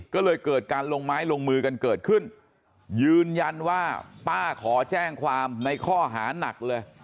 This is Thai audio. ก็เลยเกิดการลงไม้ลงมือกันเกิดขึ้นยืนยันว่าป้าขอแจ้งความในข้อหานักเลย